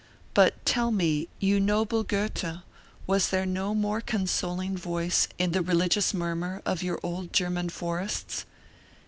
But tell me, you noble Goethe, was there no more consoling voice in the religious murmur of your old German forests?